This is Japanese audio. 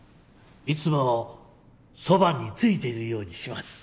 いつもそばについているようにします。